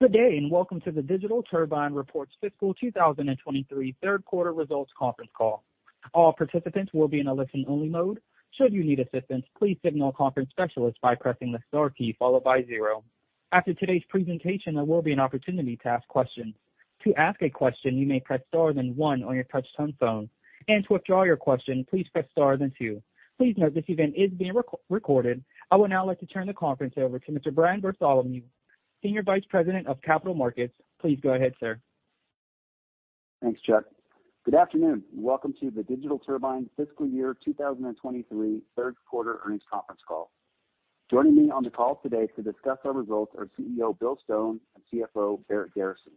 Good day, welcome to the Digital Turbine Reports Fiscal 2023 Third Quarter Results Conference Call. All participants will be in a listen-only mode. Should you need assistance, please signal a conference specialist by pressing the star key followed by zero. After today's presentation, there will be an opportunity to ask questions. To ask a question, you may press star then one on your touch-tone phone, and to withdraw your question, please press star then two. Please note this event is being recorded. I would now like to turn the conference over to Mr. Brian Bartholomew, Senior Vice President of Capital Markets. Please go ahead, sir. Thanks, Chad. Good afternoon, and welcome to the Digital Turbine Fiscal Year 2023 Third Quarter Earnings Conference Call. Joining me on the call today to discuss our results are CEO Bill Stone and CFO Barrett Garrison.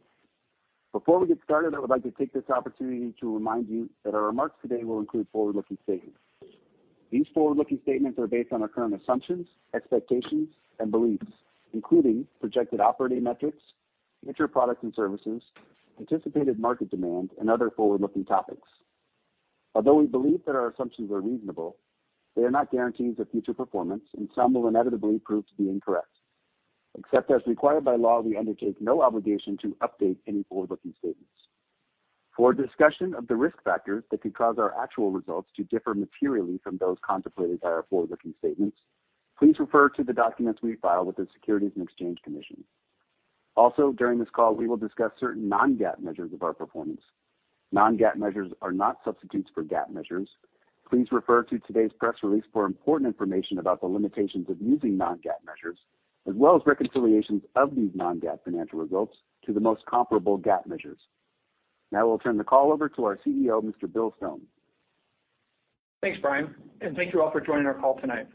Before we get started, I would like to take this opportunity to remind you that our remarks today will include forward-looking statements. These forward-looking statements are based on our current assumptions, expectations, and beliefs, including projected operating metrics, future products and services, anticipated market demand, and other forward-looking topics. Although we believe that our assumptions are reasonable, they are not guarantees of future performance, and some will inevitably prove to be incorrect. Except as required by law, we undertake no obligation to update any forward-looking statements. For a discussion of the risk factors that could cause our actual results to differ materially from those contemplated by our forward-looking statements, please refer to the documents we file with the Securities and Exchange Commission. During this call, we will discuss certain non-GAAP measures of our performance. Non-GAAP measures are not substitutes for GAAP measures. Please refer to today's press release for important information about the limitations of using non-GAAP measures, as well as reconciliations of these non-GAAP financial results to the most comparable GAAP measures. Now I will turn the call over to our CEO, Mr. Bill Stone. Thanks, Brian. Thank you all for joining our call tonight.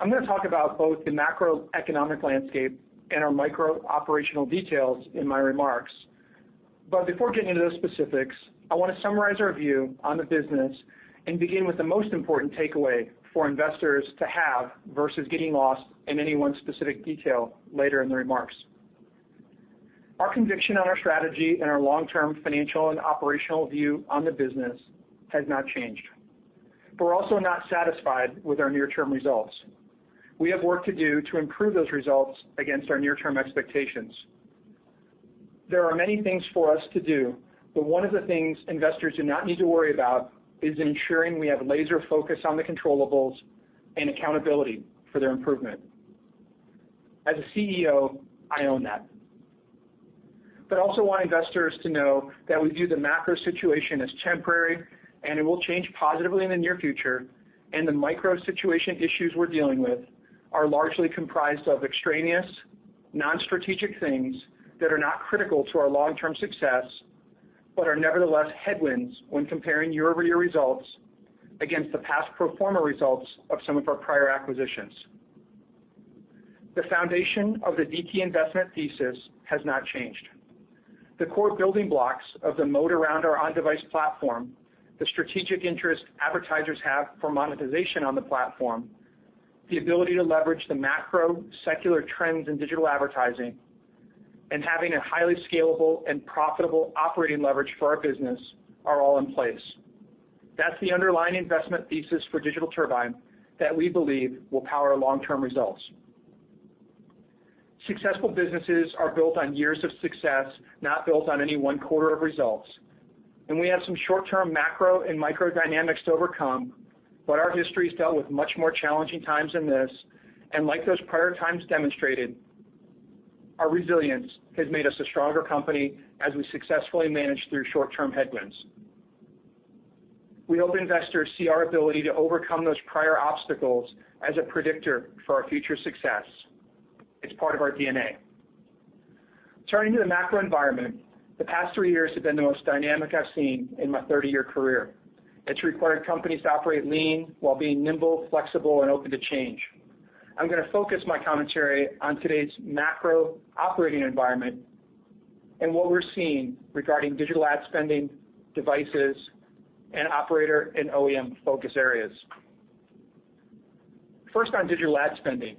I'm gonna talk about both the macroeconomic landscape and our micro operational details in my remarks. Before getting into those specifics, I wanna summarize our view on the business and begin with the most important takeaway for investors to have versus getting lost in any one specific detail later in the remarks. Our conviction on our strategy and our long-term financial and operational view on the business has not changed. We're also not satisfied with our near-term results. We have work to do to improve those results against our near-term expectations. There are many things for us to do, but one of the things investors do not need to worry about is ensuring we have laser focus on the controllables and accountability for their improvement. As a CEO, I own that. I also want investors to know that we view the macro situation as temporary, and it will change positively in the near future, and the micro situation issues we're dealing with are largely comprised of extraneous, non-strategic things that are not critical to our long-term success, but are nevertheless headwinds when comparing year-over-year results against the past pro forma results of some of our prior acquisitions. The foundation of the DT investment thesis has not changed. The core building blocks of the mode around our On-Device platform, the strategic interest advertisers have for monetization on the platform, the ability to leverage the macro secular trends in digital advertising, and having a highly scalable and profitable operating leverage for our business are all in place. That's the underlying investment thesis for Digital Turbine that we believe will power long-term results. Successful businesses are built on years of success, not built on any one quarter of results, and we have some short-term macro and micro dynamics to overcome, but our history's dealt with much more challenging times than this. Like those prior times demonstrated, our resilience has made us a stronger company as we successfully manage through short-term headwinds. We hope investors see our ability to overcome those prior obstacles as a predictor for our future success. It's part of our DNA. Turning to the macro environment, the past three years have been the most dynamic I've seen in my 30-year career. It's required companies to operate lean while being nimble, flexible, and open to change. I'm going to focus my commentary on today's macro operating environment and what we're seeing regarding digital ad spending, devices, and operator and OEM focus areas. First, on digital ad spending.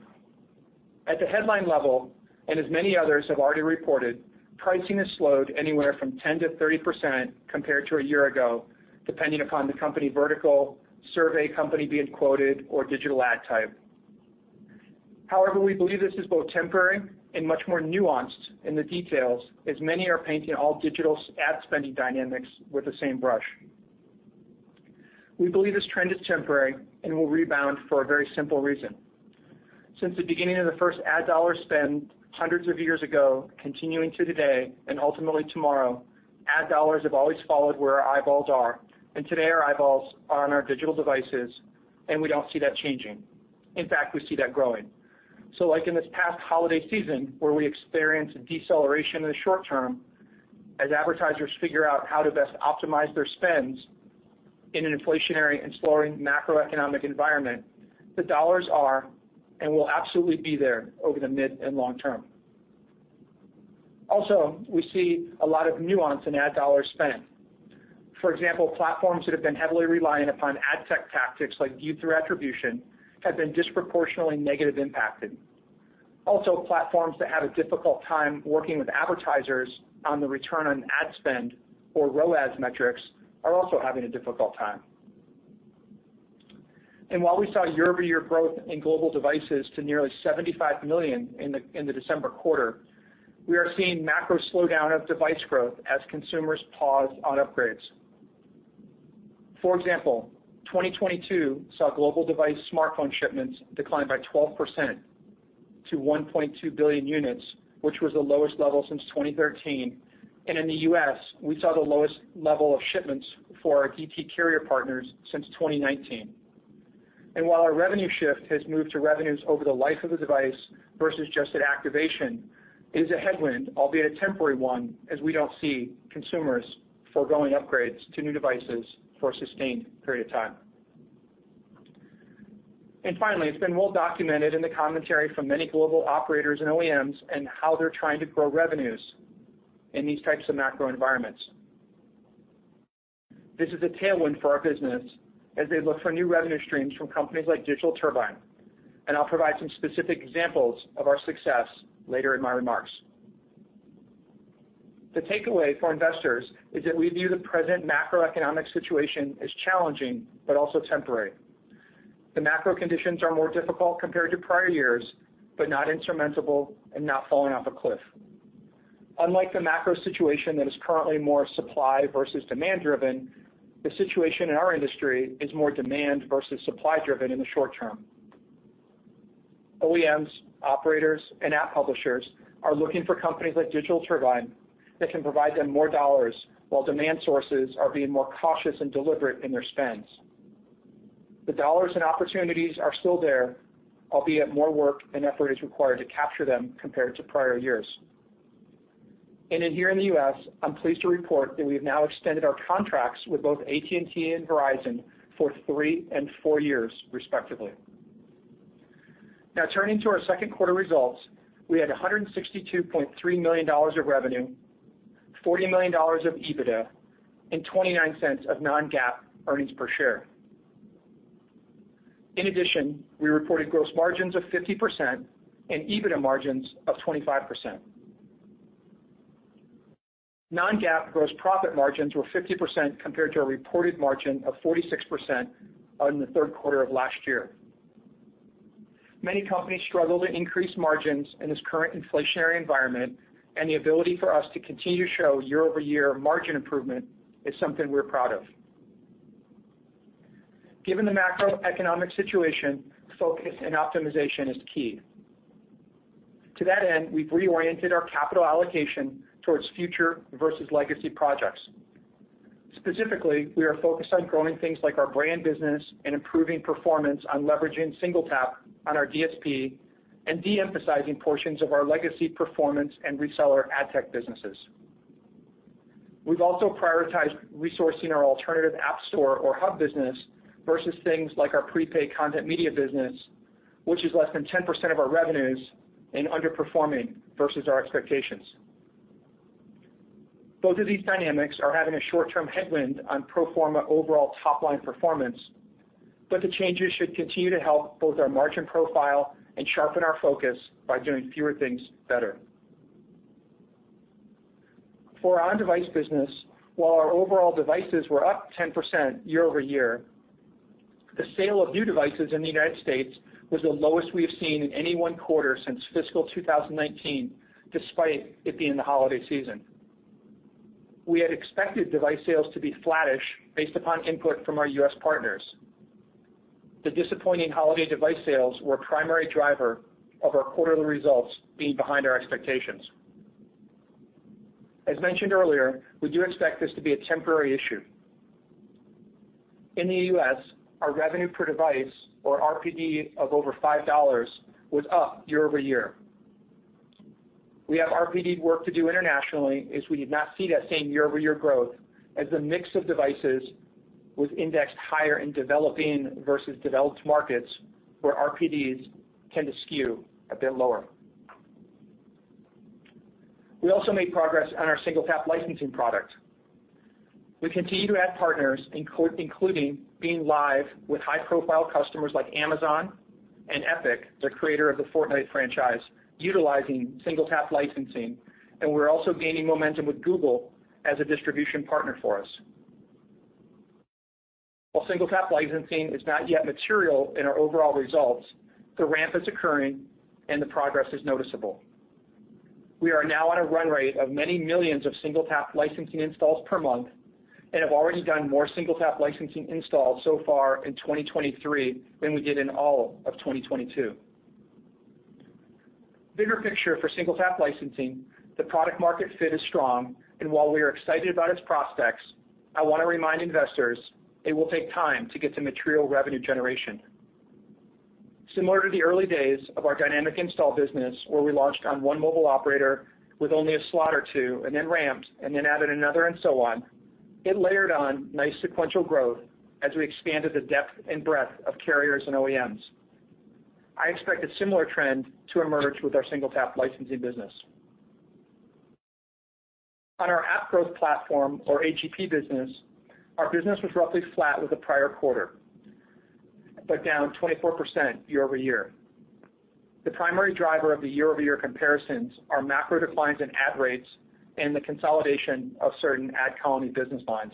At the headline level, as many others have already reported, pricing has slowed anywhere from 10% to 30% compared to a year ago, depending upon the company vertical, survey company being quoted, or digital ad type. However, we believe this is both temporary and much more nuanced in the details as many are painting all digital ad spending dynamics with the same brush. We believe this trend is temporary and will rebound for a very simple reason. Since the beginning of the first ad dollar spend hundreds of years ago, continuing to today, and ultimately tomorrow, ad dollars have always followed where our eyeballs are, and today our eyeballs are on our digital devices, and we don't see that changing. In fact, we see that growing. In this past holiday season where we experienced a deceleration in the short term, as advertisers figure out how to best optimize their spends in an inflationary and slowing macroeconomic environment, the dollars are and will absolutely be there over the mid and long term. We see a lot of nuance in ad dollar spend. For example, platforms that have been heavily reliant upon ad tech tactics like view-through attribution have been disproportionately negative impacted. Platforms that have a difficult time working with advertisers on the return on ad spend or ROAS metrics are also having a difficult time. While we saw year-over-year growth in global devices to nearly $75 million in the December quarter, we are seeing macro slowdown of device growth as consumers pause on upgrades. For example, 2022 saw global device smartphone shipments decline by 12% to 1.2 billion units, which was the lowest level since 2013. In the U.S., we saw the lowest level of shipments for our DT carrier partners since 2019. While our revenue shift has moved to revenues over the life of the device versus just at activation, it is a headwind, albeit a temporary one, as we don't see consumers foregoing upgrades to new devices for a sustained period of time. Finally, it's been well documented in the commentary from many global operators and OEMs and how they're trying to grow revenues in these types of macro environments. This is a tailwind for our business as they look for new revenue streams from companies like Digital Turbine, and I'll provide some specific examples of our success later in my remarks. The takeaway for investors is that we view the present macroeconomic situation as challenging but also temporary. The macro conditions are more difficult compared to prior years, but not insurmountable and not falling off a cliff. Unlike the macro situation that is currently more supply- versus demand-driven, the situation in our industry is more demand- versus supply-driven in the short term. OEMs, operators, and app publishers are looking for companies like Digital Turbine that can provide them more dollars while demand sources are being more cautious and deliberate in their spends. The dollars and opportunities are still there, albeit more work and effort is required to capture them compared to prior years. In here in the U.S., I'm pleased to report that we have now extended our contracts with both AT&T and Verizon for three and four years, respectively. Now turning to our second quarter results. We had $162.3 million of revenue, $40 million of EBITDA, and $0.29 of non-GAAP earnings per share. In addition, we reported gross margins of 50% and EBITDA margins of 25%. Non-GAAP gross profit margins were 50% compared to a reported margin of 46% on the third quarter of last year. Many companies struggle to increase margins in this current inflationary environment, and the ability for us to continue to show year-over-year margin improvement is something we're proud of. Given the macroeconomic situation, focus and optimization is key. To that end, we've reoriented our capital allocation towards future versus legacy projects. Specifically, we are focused on growing things like our brand business and improving performance on leveraging SingleTap on our DSP and de-emphasizing portions of our legacy performance and reseller ad tech businesses. We've also prioritized resourcing our alternative app store or hub business versus things like our prepaid content media business, which is less than 10% of our revenues and underperforming versus our expectations. Both of these dynamics are having a short-term headwind on pro forma overall top-line performance, but the changes should continue to help both our margin profile and sharpen our focus by doing fewer things better. For our On-Device business, while our overall devices were up 10% year-over-year, the sale of new devices in the United States was the lowest we have seen in any one quarter since fiscal 2019, despite it being the holiday season. We had expected device sales to be flattish based upon input from our U.S. partners. The disappointing holiday device sales were a primary driver of our quarterly results being behind our expectations. As mentioned earlier, we do expect this to be a temporary issue. In the U.S., our revenue per device, or RPD, of over $5 was up year-over-year. We have RPD work to do internationally as we did not see that same year-over-year growth as the mix of devices was indexed higher in developing versus developed markets, where RPDs tend to skew a bit lower. We also made progress on our SingleTap licensing product. We continue to add partners including being live with high-profile customers like Amazon and Epic, the creator of the Fortnite franchise, utilizing SingleTap licensing, and we're also gaining momentum with Google as a distribution partner for us. While SingleTap licensing is not yet material in our overall results, the ramp is occurring and the progress is noticeable. We are now on a run rate of many millions of SingleTap licensing installs per month and have already done more SingleTap licensing installs so far in 2023 than we did in all of 2022. Bigger picture for SingleTap licensing, the product market fit is strong, and while we are excited about its prospects, I wanna remind investors it will take time to get to material revenue generation. Similar to the early days of our Dynamic Install business, where we launched on one mobile operator with only a slot or two and then ramped and then added another and so on, it layered on nice sequential growth as we expanded the depth and breadth of carriers and OEMs. I expect a similar trend to emerge with our SingleTap licensing business. On our App Growth Platform or AGP business, our business was roughly flat with the prior quarter, down 24% year-over-year. The primary driver of the year-over-year comparisons are macro declines in ad rates and the consolidation of certain AdColony business lines.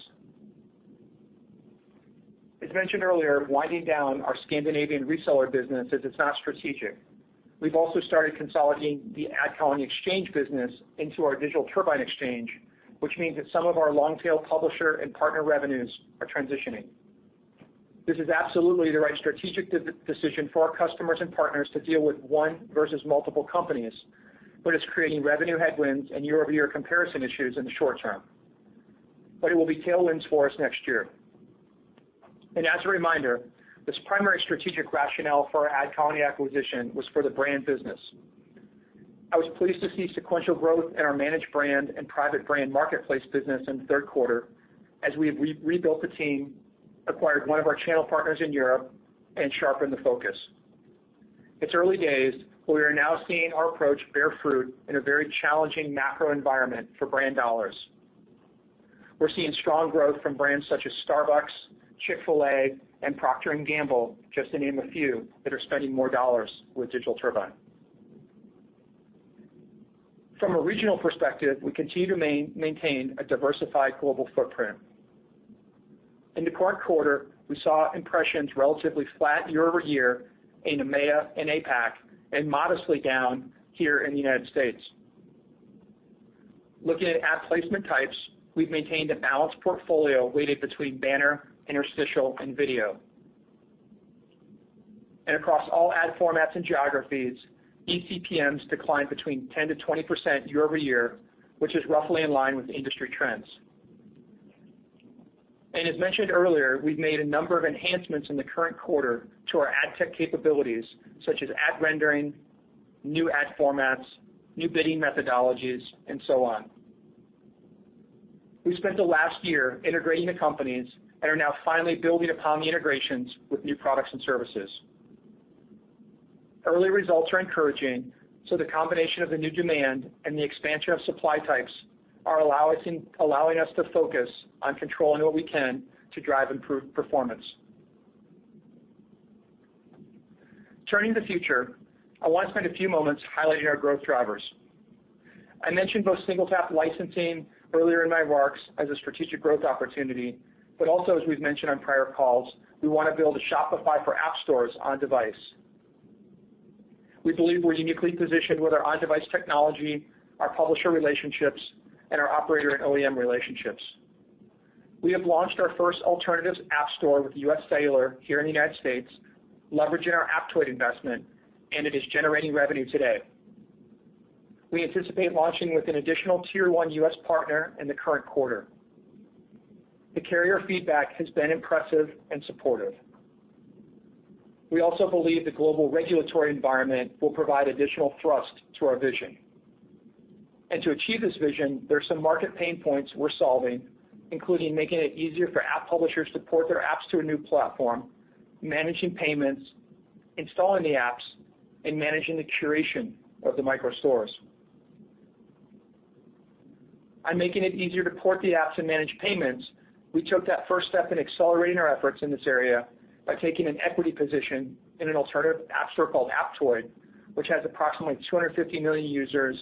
As mentioned earlier, winding down our Scandinavian reseller business as it's not strategic. We've also started consolidating the AdColony exchange business into our Digital Turbine Exchange, which means that some of our long-tail publisher and partner revenues are transitioning. This is absolutely the right strategic de-decision for our customers and partners to deal with one versus multiple companies, but it's creating revenue headwinds and year-over-year comparison issues in the short term. It will be tailwinds for us next year. As a reminder, this primary strategic rationale for our AdColony acquisition was for the brand business. I was pleased to see sequential growth in our managed brand and private brand marketplace business in the third quarter as we have rebuilt the team, acquired one of our channel partners in Europe, and sharpened the focus. It's early days, but we are now seeing our approach bear fruit in a very challenging macro environment for brand dollars. We're seeing strong growth from brands such as Starbucks, Chick-fil-A, and Procter & Gamble, just to name a few, that are spending more dollars with Digital Turbine. From a regional perspective, we continue to maintain a diversified global footprint. In the current quarter, we saw impressions relatively flat year-over-year in EMEA and APAC, and modestly down here in the United States. Looking at ad placement types, we've maintained a balanced portfolio weighted between banner, interstitial, and video. Across all ad formats and geographies, ECPMs declined between 10%-20% year-over-year, which is roughly in line with industry trends. As mentioned earlier, we've made a number of enhancements in the current quarter to our ad tech capabilities, such as ad rendering, new ad formats, new bidding methodologies, and so on. We spent the last year integrating the companies and are now finally building upon the integrations with new products and services. Early results are encouraging, the combination of the new demand and the expansion of supply types allowing us to focus on controlling what we can to drive improved performance. Turning to the future, I want to spend a few moments highlighting our growth drivers. I mentioned both SingleTap licensing earlier in my remarks as a strategic growth opportunity, also, as we've mentioned on prior calls, we want to build a Shopify for app stores on device. We believe we're uniquely positioned with our On-Device technology, our publisher relationships, and our operator and OEM relationships. We have launched our first alternatives app store with UScellular here in the United States, leveraging our Aptoide investment, it is generating revenue today. We anticipate launching with an additional Tier 1 US partner in the current quarter. The carrier feedback has been impressive and supportive. We also believe the global regulatory environment will provide additional thrust to our vision. To achieve this vision, there's some market pain points we're solving, including making it easier for app publishers to port their apps to a new platform, managing payments, installing the apps, and managing the curation of the micro stores. On making it easier to port the apps and manage payments, we took that first step in accelerating our efforts in this area by taking an equity position in an alternative app store called Aptoide, which has approximately 250 million users,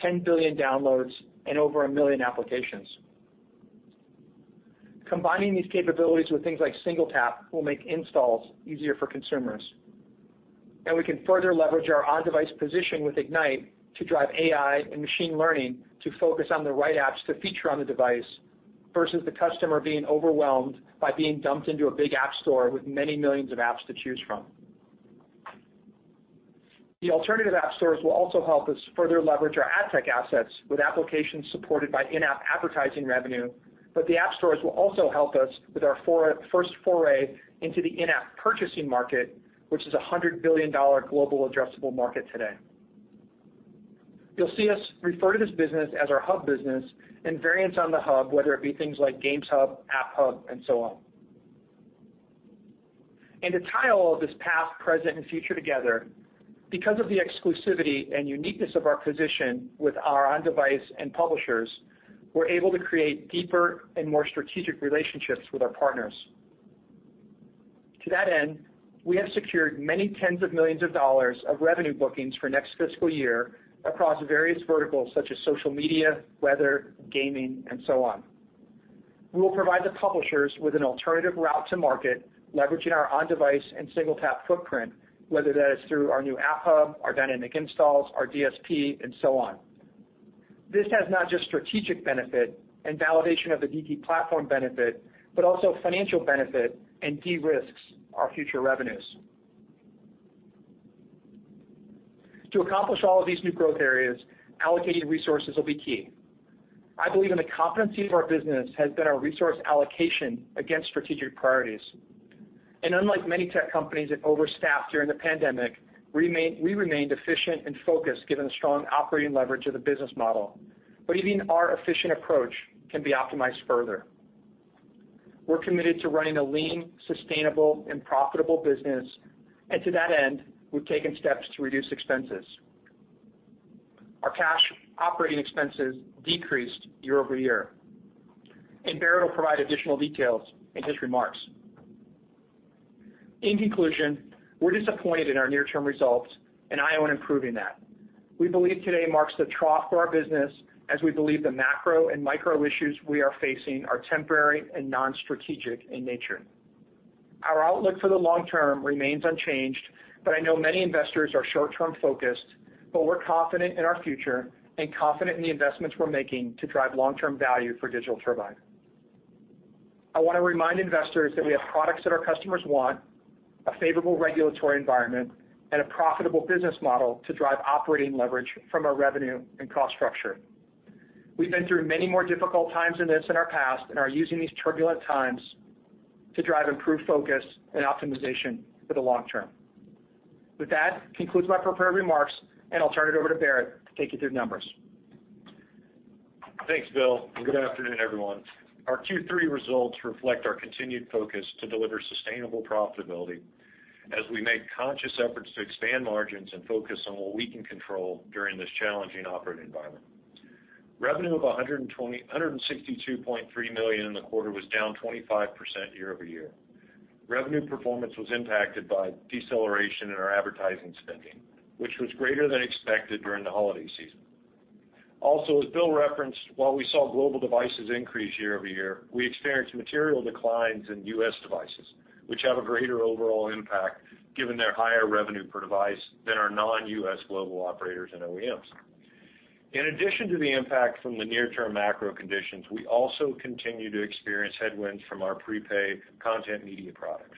10 billion downloads, and over 1 million applications. Combining these capabilities with things like SingleTap will make installs easier for consumers. We can further leverage our On-Device position with Ignite to drive AI and machine learning to focus on the right apps to feature on the device versus the customer being overwhelmed by being dumped into a big app store with many millions of apps to choose from. The alternative app stores will also help us further leverage our ad tech assets with applications supported by in-app advertising revenue. The app stores will also help us with our first foray into the in-app purchasing market, which is a $100 billion global addressable market today. You'll see us refer to this business as our hub business and variants on the hub, whether it be things like Games Hub, App Hub, and so on. To tie all of this past, present, and future together, because of the exclusivity and uniqueness of our position with our On-Device and publishers, we're able to create deeper and more strategic relationships with our partners. To that end, we have secured many tens of millions of dollars of revenue bookings for next fiscal year across various verticals such as social media, weather, gaming, and so on. We will provide the publishers with an alternative route to market, leveraging our On-Device and SingleTap footprint, whether that is through our new App Hub, our Dynamic Installs, our DSP, and so on. This has not just strategic benefit and validation of the DT platform benefit, but also financial benefit and de-risks our future revenues. To accomplish all of these new growth areas, allocating resources will be key. I believe in the competencies of our business has been our resource allocation against strategic priorities. Unlike many tech companies that overstaffed during the pandemic, we remained efficient and focused given the strong operating leverage of the business model. Even our efficient approach can be optimized further. We're committed to running a lean, sustainable, and profitable business. To that end, we've taken steps to reduce expenses. Our cash operating expenses decreased year-over-year, and Barrett will provide additional details in his remarks. In conclusion, we're disappointed in our near-term results, and I own improving that. We believe today marks the trough for our business as we believe the macro and micro issues we are facing are temporary and non-strategic in nature. Our outlook for the long term remains unchanged, but I know many investors are short-term focused, but we're confident in our future and confident in the investments we're making to drive long-term value for Digital Turbine. I wanna remind investors that we have products that our customers want, a favorable regulatory environment, and a profitable business model to drive operating leverage from our revenue and cost structure. We've been through many more difficult times than this in our past, and are using these turbulent times to drive improved focus and optimization for the long term. With that concludes my prepared remarks, and I'll turn it over to Barrett to take you through the numbers. Thanks, Bill. Good afternoon, everyone. Our Q3 results reflect our continued focus to deliver sustainable profitability as we make conscious efforts to expand margins and focus on what we can control during this challenging operating environment. Revenue of $162.3 million in the quarter was down 25% year-over-year. Revenue performance was impacted by deceleration in our advertising spending, which was greater than expected during the holiday season. As Bill referenced, while we saw global devices increase year-over-year, we experienced material declines in U.S. devices, which have a greater overall impact given their higher revenue per device than our non-U.S. global operators and OEMs. In addition to the impact from the near-term macro conditions, we also continue to experience headwinds from our prepaid content media products.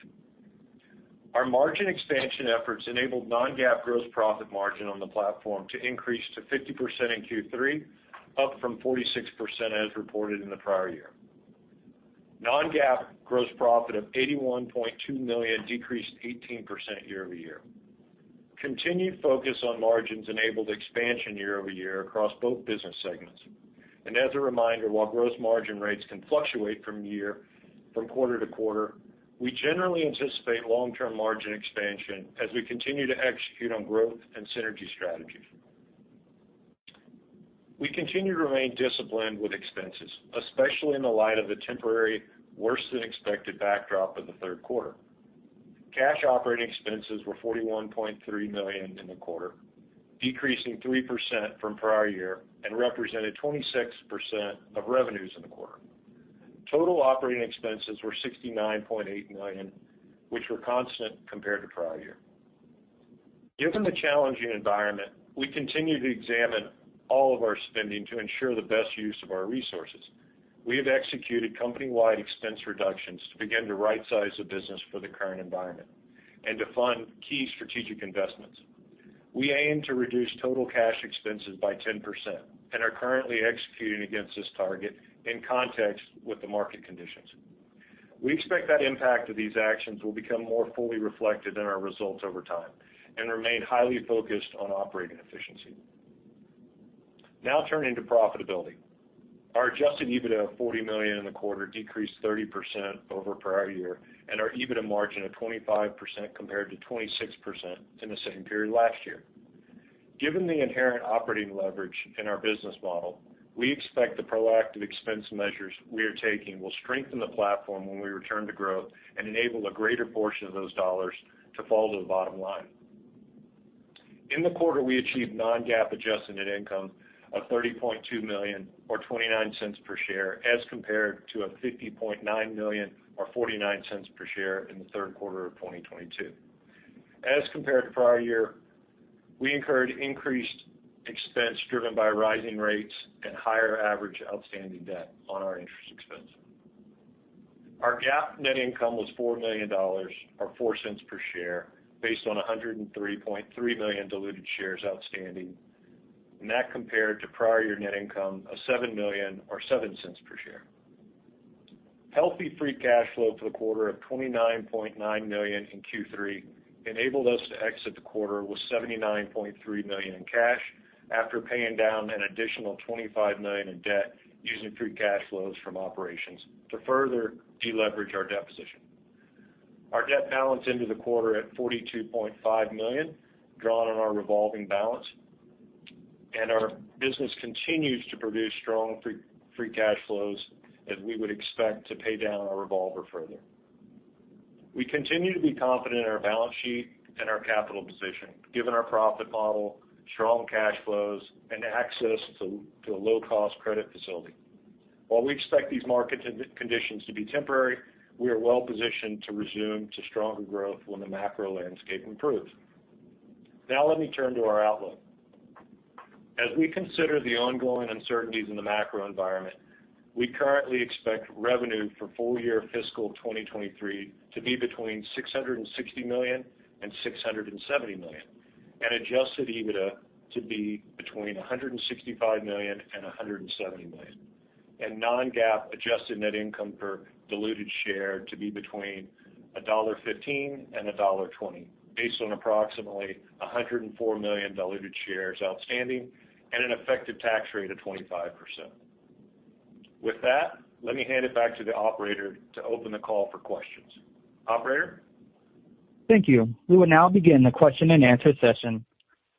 Our margin expansion efforts enabled non-GAAP Gross Profit margin on the platform to increase to 50% in Q3, up from 46% as reported in the prior year. Non-GAAP Gross Profit of $81.2 million decreased 18% year-over-year. Continued focus on margins enabled expansion year-over-year across both business segments. As a reminder, while gross margin rates can fluctuate from quarter to quarter, we generally anticipate long-term margin expansion as we continue to execute on growth and synergy strategies. We continue to remain disciplined with expenses, especially in the light of the temporary worse-than-expected backdrop of the third quarter. Cash Operating Expenses were $41.3 million in the quarter, decreasing 3% from prior year and represented 26% of revenues in the quarter. Total Operating Expenses were $69.8 million, which were constant compared to prior year. Given the challenging environment, we continue to examine all of our spending to ensure the best use of our resources. We have executed company-wide expense reductions to begin to rightsize the business for the current environment and to fund key strategic investments. We aim to reduce Total Cash Expenses by 10% and are currently executing against this target in context with the market conditions. We expect that impact of these actions will become more fully reflected in our results over time and remain highly focused on operating efficiency. Now turning to profitability. Our Adjusted EBITDA of $40 million in the quarter decreased 30% over prior year and our EBITDA margin of 25% compared to 26% in the same period last year. Given the inherent operating leverage in our business model, we expect the proactive expense measures we are taking will strengthen the platform when we return to growth and enable a greater portion of those dollars to fall to the bottom line. In the quarter, we achieved non-GAAP adjusted net income of $30.2 million or $0.29 per share, as compared to $50.9 million or $0.49 per share in the third quarter of 2022. Compared to prior year, we incurred increased expense driven by rising rates and higher average outstanding debt on our interest expense. Our GAAP net income was $4 million or $0.04 per share based on 103.3 million diluted shares outstanding, and that compared to prior year net income of $7 million or $0.07 per share. Healthy free cash flow for the quarter of $29.9 million in Q3 enabled us to exit the quarter with $79.3 million in cash after paying down an additional $25 million in debt using free cash flows from operations to further deleverage our debt position. Our debt balance into the quarter at $42.5 million, drawn on our revolving balance. Our business continues to produce strong free cash flows as we would expect to pay down our revolver further. We continue to be confident in our balance sheet and our capital position given our profit model, strong cash flows, and access to a low-cost credit facility. While we expect these market conditions to be temporary, we are well-positioned to resume to stronger growth when the macro landscape improves. Now let me turn to our outlook. As we consider the ongoing uncertainties in the macro environment, we currently expect revenue for full year fiscal 2023 to be between $660 million and $670 million, and adjusted EBITDA to be between $165 million and $170 million, and non-GAAP adjusted net income per diluted share to be between $1.15 and $1.20, based on approximately 104 million diluted shares outstanding and an effective tax rate of 25%. With that, let me hand it back to the operator to open the call for questions. Operator? Thank you. We will now begin the question and answer session.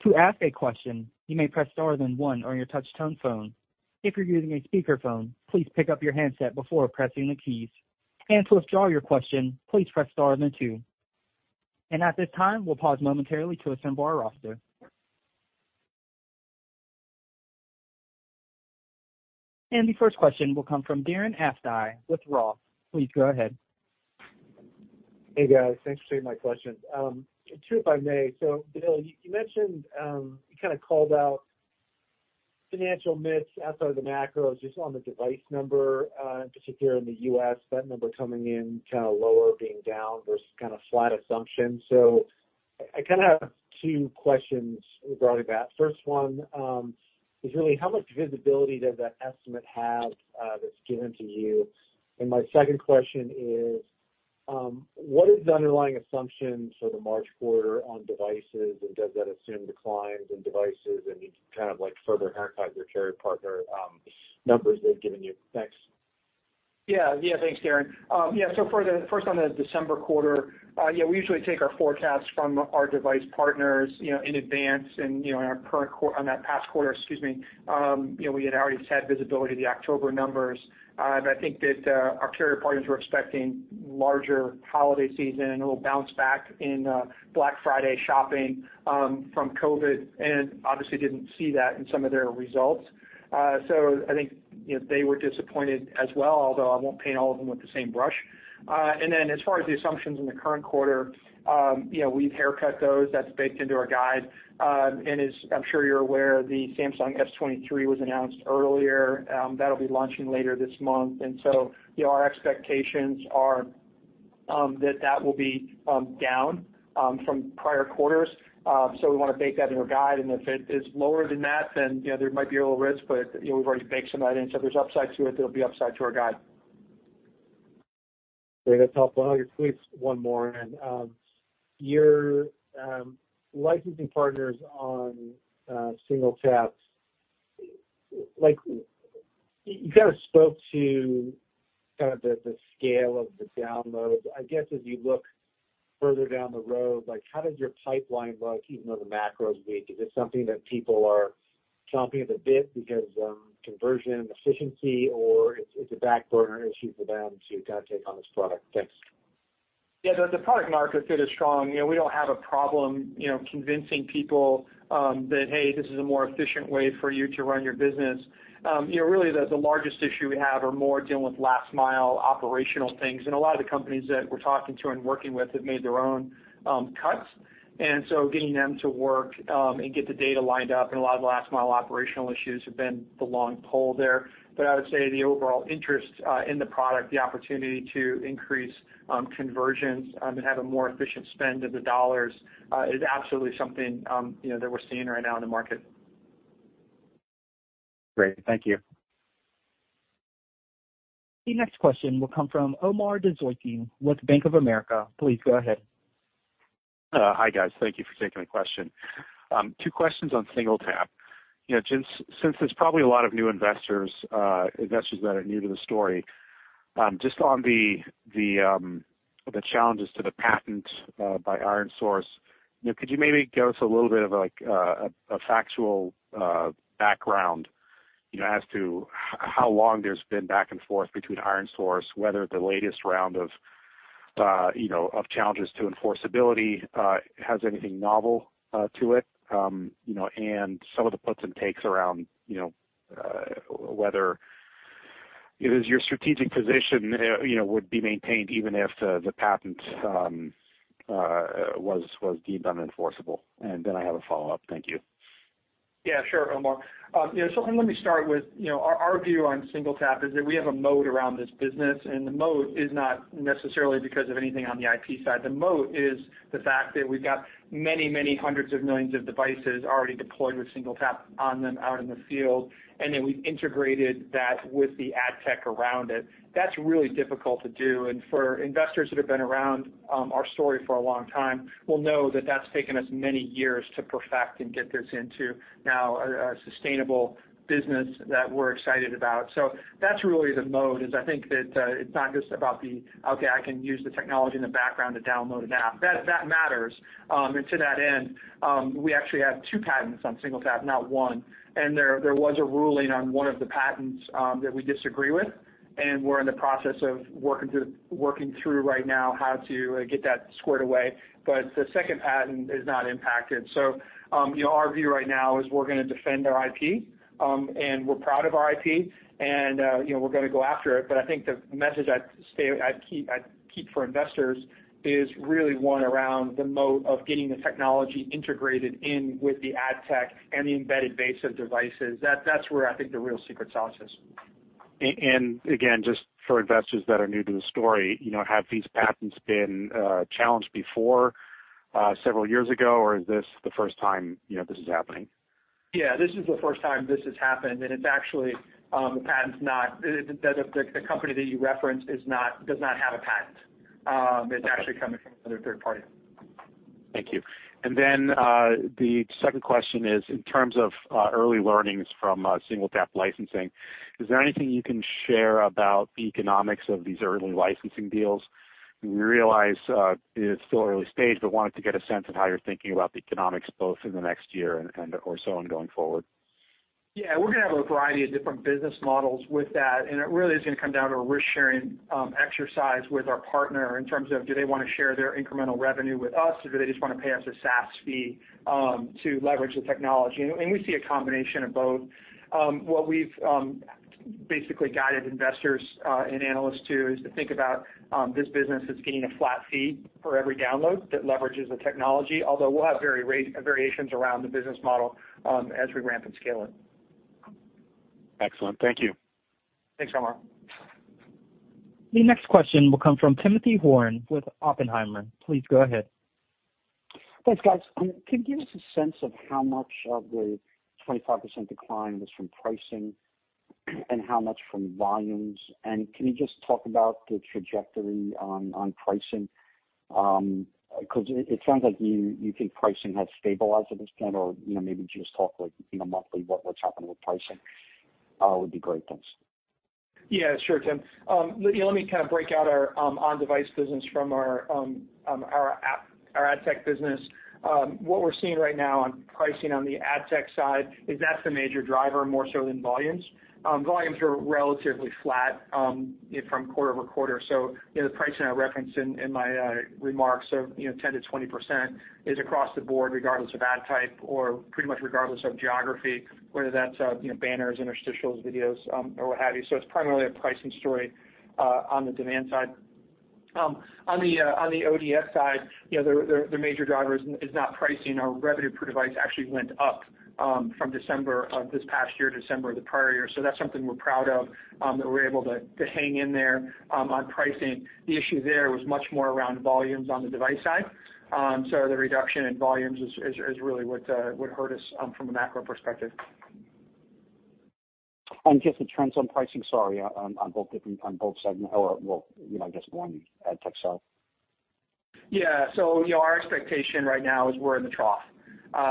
To ask a question, you may press star then one on your touch-tone phone. If you're using a speakerphone, please pick up your handset before pressing the keys. To withdraw your question, please press star then two. At this time, we'll pause momentarily to assemble our roster. The first question will come from Darren Aftahi with ROTH. Please go ahead. Hey, guys. Thanks for taking my questions. Two if I may. Bill, you mentioned you kinda called out financial myths outside of the macros, just on the device number, just here in the U.S., that number coming in kinda lower, being down versus kind of flat assumption. I kinda have two questions regarding that. First one is really how much visibility does that estimate have that's given to you? My second question is, what is the underlying assumption for the March quarter on devices, and does that assume declines in devices? You can kind of like further haircut your carrier partner numbers they've given you. Thanks. Yeah. Yeah, thanks, Darren. So for the first on the December quarter, we usually take our forecasts from our device partners, you know, in advance and on that past quarter, we had already had visibility of the October numbers. I think that our carrier partners were expecting larger holiday season and a little bounce back in Black Friday shopping from COVID, and obviously didn't see that in some of their results. I think, you know, they were disappointed as well, although I won't paint all of them with the same brush. As far as the assumptions in the current quarter, you know, we've haircut those. That's baked into our guide. As I'm sure you're aware, the Samsung S23 was announced earlier, that'll be launching later this month. You know, our expectations are that that will be down from prior quarters. We wanna bake that in our guide. If it is lower than that, then, you know, there might be a little risk, but, you know, we've already baked some of that in. If there's upside to it, there'll be upside to our guide. Great. That's helpful. Please, one more. Your licensing partners on SingleTap, like you kinda spoke to kind of the scale of the downloads. I guess as you look further down the road, like how does your pipeline look even though the macro's weak? Is it something that people are chomping at the bit because conversion efficiency or it's a backburner issue for them to kinda take on this product? Thanks. Yeah, the product market fit is strong. You know, we don't have a problem, you know, convincing people that, hey, this is a more efficient way for you to run your business. You know, really the largest issue we have are more dealing with last mile operational things. A lot of the companies that we're talking to and working with have made their own cuts. Getting them to work and get the data lined up and a lot of the last mile operational issues have been the long pull there. I would say the overall interest in the product, the opportunity to increase conversions and have a more efficient spend of the dollars is absolutely something, you know, that we're seeing right now in the market. Great. Thank you. The next question will come from Omar Dessouky with Bank of America. Please go ahead. Hi, guys. Thank you for taking the question. Two questions on SingleTap. You know, since there's probably a lot of new investors that are new to the story, just on the challenges to the patent by ironSource, you know, could you maybe give us a little bit of like, a factual background, you know, as to how long there's been back and forth between ironSource, whether the latest round of challenges to enforceability has anything novel to it? Some of the puts and takes around whether it is your strategic position would be maintained even if the patent was deemed unenforceable. Then I have a follow-up. Thank you. Yeah, sure, Omar. You know, let me start with, you know, our view on SingleTap is that we have a moat around this business, and the moat is not necessarily because of anything on the IP side. The moat is the fact that we've got many hundreds of millions of devices already deployed with SingleTap on them out in the field. We've integrated that with the ad tech around it. That's really difficult to do. For investors that have been around our story for a long time will know that that's taken us many years to perfect and get this into now a sustainable business that we're excited about. That's really the moat, is I think that it's not just about okay, I can use the technology in the background to download an app. That matters. To that end, we actually have two patents on SingleTap, not one. There was a ruling on one of the patents that we disagree with, and we're in the process of working through right now how to get that squared away. The second patent is not impacted. You know, our view right now is we're gonna defend our IP, and we're proud of our IP and, you know, we're gonna go after it. I think the message I'd keep for investors is really one around the moat of getting the technology integrated in with the ad tech and the embedded base of devices. That's where I think the real secret sauce is. Again, just for investors that are new to the story, you know, have these patents been challenged before, several years ago, or is this the first time, you know, this is happening? Yeah, this is the first time this has happened, and it's actually, the company that you referenced does not have a patent. It's actually coming from another third party. Thank you. The second question is in terms of, early learnings from, SingleTap licensing, is there anything you can share about the economics of these early licensing deals? We realize, it's still early stage, but wanted to get a sense of how you're thinking about the economics both in the next year and or so on going forward. Yeah, we're gonna have a variety of different business models with that, and it really is gonna come down to a risk-sharing exercise with our partner in terms of do they wanna share their incremental revenue with us or do they just wanna pay us a SaaS fee to leverage the technology. We see a combination of both. What we've basically guided investors and analysts to, is to think about this business as getting a flat fee for every download that leverages the technology. Although we'll have variations around the business model as we ramp and scale it. Excellent. Thank you. Thanks, Omar. The next question will come from Timothy Horan with Oppenheimer. Please go ahead. Thanks, guys. Can you give us a sense of how much of the 25% decline was from pricing and how much from volumes? Can you just talk about the trajectory on pricing? 'Cause it sounds like you think pricing has stabilized at this point or, you know, maybe just talk like, you know, monthly what's happening with pricing would be great. Thanks. Yeah, sure, Tim. Let me kind of break out our On-Device business from our app, our ad tech business. What we're seeing right now on pricing on the ad tech side is that's the major driver, more so than volumes. Volumes are relatively flat quarter-over-quarter. You know, the pricing I referenced in my remarks of, you know, 10%-20% is across the board regardless of ad type or pretty much regardless of geography, whether that's, you know, banners, interstitials, videos, or what have you. It's primarily a pricing story on the demand side. On the ODS side, you know, the major driver is not pricing. Our revenue per device actually went up from December of this past year to December of the prior year. That's something we're proud of, that we were able to hang in there on pricing. The issue there was much more around volumes on the device side. The reduction in volumes is really what hurt us from a macro perspective. Just the trends on pricing, sorry, on both different segment or well, you know, I guess one ad tech side. Yeah. You know, our expectation right now is we're in the trough.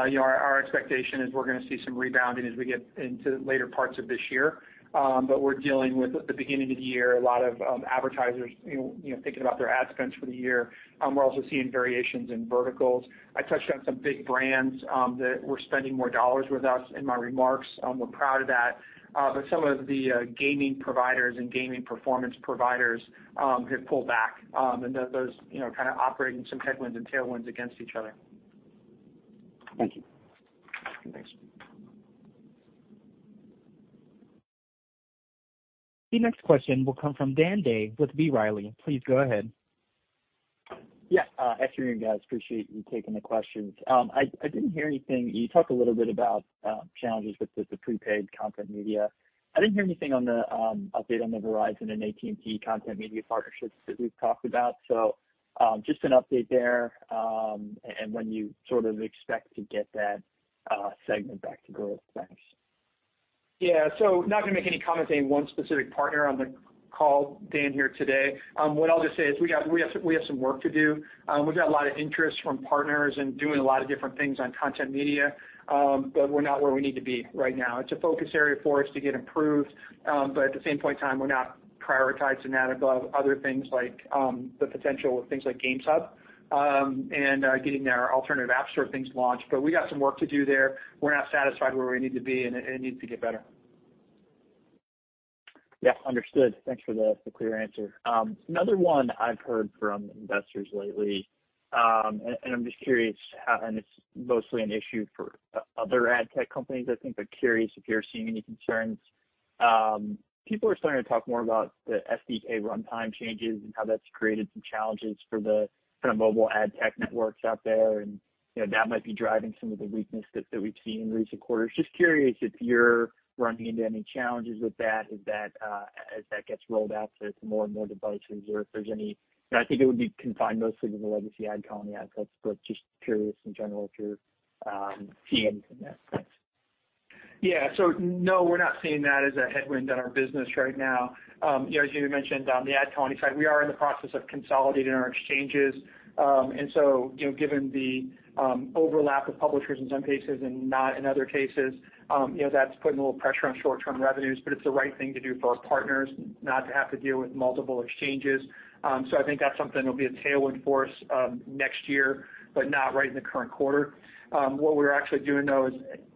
You know, our expectation is we're gonna see some rebounding as we get into later parts of this year. We're dealing with the beginning of the year, a lot of advertisers, you know, thinking about their ad spends for the year. We're also seeing variations in verticals. I touched on some big brands that were spending more dollars with us in my remarks. We're proud of that. Some of the gaming providers and gaming performance providers have pulled back. Those, you know, kind of operating some headwinds and tailwinds against each other. Thank you. Thanks. The next question will come from Dan Day with B. Riley. Please go ahead. Afternoon, guys, appreciate you taking the questions. I didn't hear anything... You talked a little bit about challenges with the prepaid content media. I didn't hear anything on the update on the Verizon and AT&T content media partnerships that we've talked about. Just an update there, and when you sort of expect to get that segment back to growth. Thanks. Not gonna make any comments on any one specific partner on the call, Dan Day, here today. What I'll just say is we have some work to do. We've got a lot of interest from partners and doing a lot of different things on content media. We're not where we need to be right now. It's a focus area for us to get improved. At the same point in time, we're not prioritizing that above other things like the potential with things like Games Hub and getting our alternative app store things launched. We got some work to do there. We're not satisfied where we need to be and it needs to get better. Yeah. Understood. Thanks for the clear answer. Another one I've heard from investors lately, I'm just curious how, and it's mostly an issue for other ad tech companies, I think, but curious if you're seeing any concerns. People are starting to talk more about the SDK runtime changes and how that's created some challenges for the kind of mobile ad tech networks out there and, you know, that might be driving some of the weakness that we've seen in recent quarters. Just curious if you're running into any challenges with that, is that as that gets rolled out to more and more devices or if there's any? You know, I think it would be confined mostly to the legacy AdColony assets, but just curious in general if you're seeing anything there. Thanks. Yeah. No, we're not seeing that as a headwind in our business right now. You know, as you mentioned on the AdColony side, we are in the process of consolidating our exchanges. You know, given the overlap of publishers in some cases and not in other cases, you know, that's putting a little pressure on short-term revenues, but it's the right thing to do for our partners not to have to deal with multiple exchanges. I think that's something that'll be a tailwind for us next year, but not right in the current quarter. What we're actually doing though is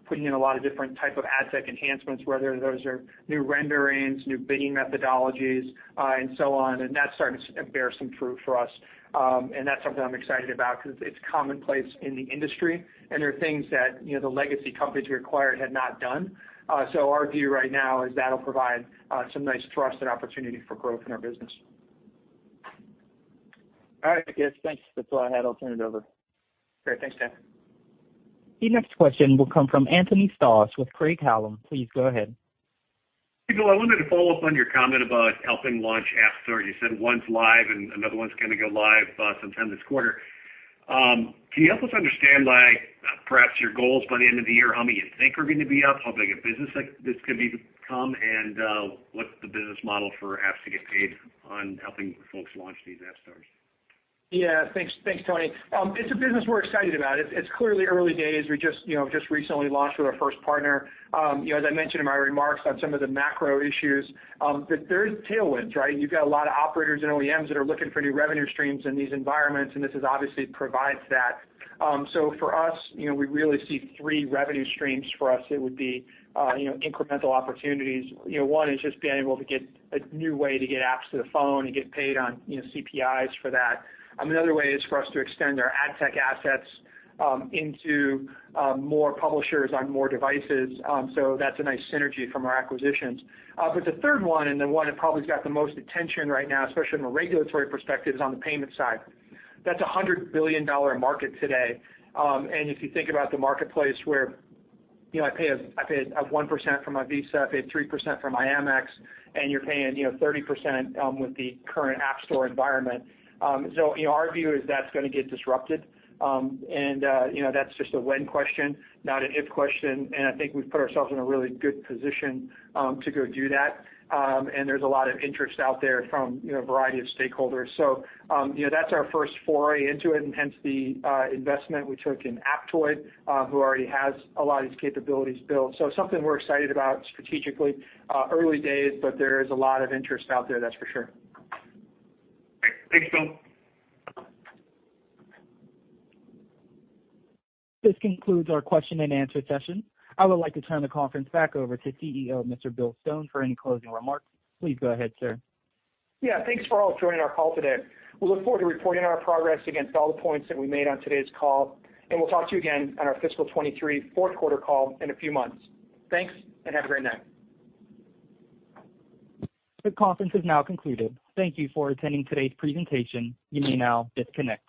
putting in a lot of different type of ad tech enhancements, whether those are new renderings, new bidding methodologies, and so on, and that's starting to bear some fruit for us. That's something I'm excited about because it's commonplace in the industry, and they're things that, you know, the legacy companies we acquired had not done. Our view right now is that'll provide some nice thrust and opportunity for growth in our business. All right, I guess. Thanks. That's all I had. I'll turn it over. Great. Thanks, Dan. The next question will come from Anthony Stoss with Craig-Hallum. Please go ahead. Hey, Bill, I wanted to follow up on your comment about helping launch App Store. You said one's live and another one's gonna go live sometime this quarter. Can you help us understand? Perhaps your goals by the end of the year, how many you think are gonna be up, how big a business that this could be to come, and what's the business model for apps to get paid on helping folks launch these app stores? Yeah. Thanks, Tony. It's a business we're excited about. It's clearly early days. We, you know, just recently launched with our first partner. You know, as I mentioned in my remarks on some of the macro issues, there's tailwinds, right? You've got a lot of operators and OEMs that are looking for new revenue streams in these environments, this is obviously provides that. For us, you know, we really see 3 revenue streams for us, it would be, you know, incremental opportunities. You know, one is just being able to get a new way to get apps to the phone and get paid on, you know, CPIs for that. Another way is for us to extend our ad tech assets into more publishers on more devices. That's a nice synergy from our acquisitions. The third one, and the one that probably has got the most attention right now, especially from a regulatory perspective, is on the payment side. That's a $100 billion market today. If you think about the marketplace where, you know, I pay a, I pay a 1% from my Visa, I pay 3% from my Amex, and you're paying, you know, 30% with the current app store environment. You know, our view is that's gonna get disrupted. You know, that's just a when question, not an if question. I think we've put ourselves in a really good position to go do that. There's a lot of interest out there from, you know, a variety of stakeholders. You know, that's our first foray into it and hence the investment we took in Aptoide, who already has a lot of these capabilities built. Something we're excited about strategically. Early days, but there is a lot of interest out there, that's for sure. Great. Thanks, Bill. This concludes our question and answer session. I would like to turn the conference back over to CEO, Mr. Bill Stone for any closing remarks. Please go ahead, sir. Yeah, thanks for all joining our call today. We look forward to reporting our progress against all the points that we made on today's call, and we'll talk to you again on our fiscal 23 fourth quarter call in a few months. Thanks, and have a great night. This conference is now concluded. Thank you for attending today's presentation. You may now disconnect.